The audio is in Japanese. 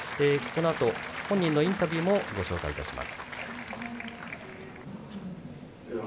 このあと本人のインタビューをご紹介します。